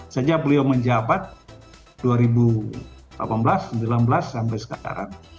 sejak beliau menjabat dua ribu delapan belas dua ribu delapan belas sampai sekarang